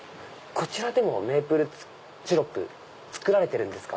こちらでメープルシロップ作られてるんですか？